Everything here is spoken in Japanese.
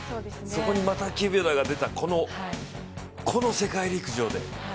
そこにまた９秒台が出た、この世界陸上で。